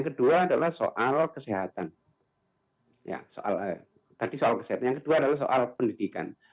kedua adalah soal kesehatan ya soal tadi soal kesehatan yang kedua adalah soal pendidikan